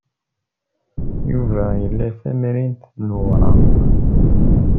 Yuba ila tamrint n wureɣ.